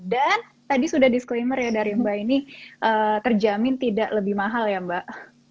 dan tadi sudah disclaimer ya dari mbak ini terjamin tidak lebih mahal ya mbak